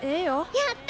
やった！